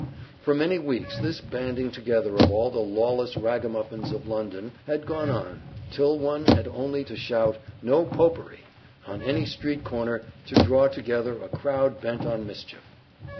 For many weeks this banding together of all the lawless ragamuffins of London had gone on, till one had only to shout "No Popery!" on any street corner to draw together a crowd bent on mischief.